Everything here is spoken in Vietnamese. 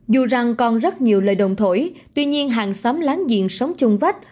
dù rằng còn rất nhiều lời đồng thổi tuy nhiên hàng xóm láng giềng sống chung vách